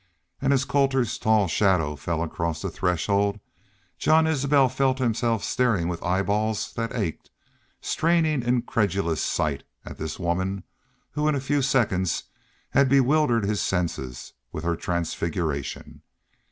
And as Colter's tall shadow fell across the threshold Jean Isbel felt himself staring with eyeballs that ached straining incredulous sight at this woman who in a few seconds had bewildered his senses with her transfiguration.